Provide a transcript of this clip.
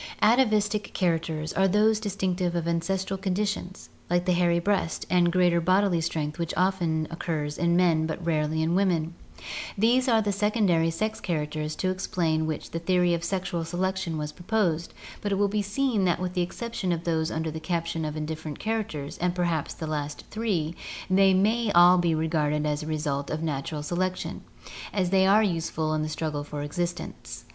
Atavistic characters are those distinctive of ancestral condi tions, like the hairy breast and greater bodily strength which often occur in men but rarely in women. These are the secondary sex characters to explain which the theory of sexual selection was proposed, but it will be seen that with the exception of those under the caption of indifferent charac ters, and perhaps the last three, they may all be regarded as the result of natural selection, as they are useful in the struggle for existence.